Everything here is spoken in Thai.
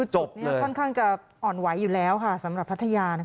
จุดนี้ค่อนข้างจะอ่อนไหวอยู่แล้วค่ะสำหรับพัทยา